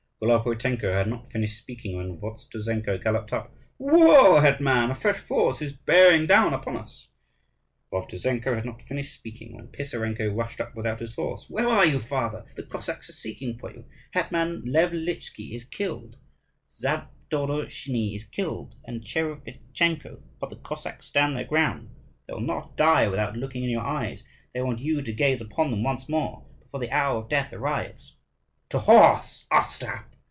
Golopuitenko had not finished speaking when Vovtuzenko galloped up: "Woe, hetman! a fresh force is bearing down upon us." Vovtuzenko had not finished speaking when Pisarenko rushed up without his horse: "Where are you, father? The Cossacks are seeking for you. Hetman Nevelitchkiy is killed, Zadorozhniy is killed, and Tcherevitchenko: but the Cossacks stand their ground; they will not die without looking in your eyes; they want you to gaze upon them once more before the hour of death arrives." "To horse, Ostap!"